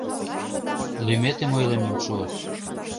Лӱметым ойлымем шуо.